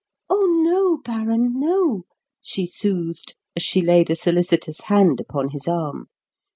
"Oh, no, baron, no!" she soothed, as she laid a solicitous hand upon his arm.